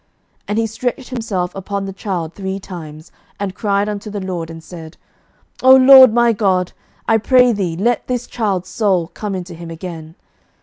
11:017:021 And he stretched himself upon the child three times, and cried unto the LORD, and said, O LORD my God, I pray thee, let this child's soul come into him again.